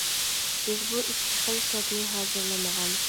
بىز بۇ ئىككى خىل شەرتنى ھازىرلىمىغان.